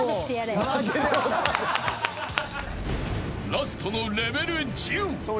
［ラストのレベル１０］